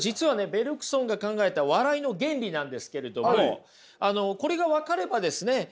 ベルクソンが考えた笑いの原理なんですけれどもこれが分かればですね